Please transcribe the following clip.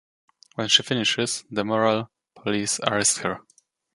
When she finishes, the moral police arrest her.